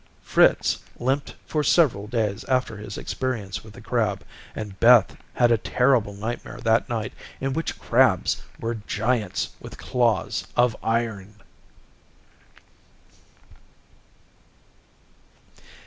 Fritz limped for several days after his experience with the crab and Beth had a terrible nightmare that night in which crabs were giants with claws of iron.